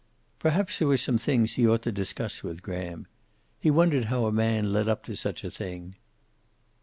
Perhaps there were some things he ought to discuss with Graham. He wondered how a man led up to such a thing.